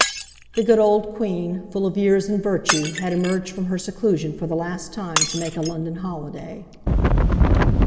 The "good old" Queen, full of years and virtue, had emerged from her seclusion for the last time to make a London holiday.